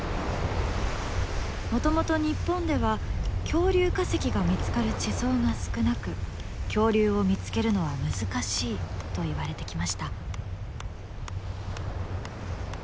もともと日本では恐竜化石が見つかる地層が少なく恐竜を見つけるのは難しいといわれてきました。